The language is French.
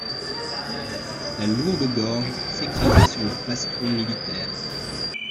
La lourde gorge s'écrasait sur le plastron militaire.